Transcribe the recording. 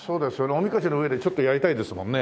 おみこしの上でちょっとやりたいですもんね。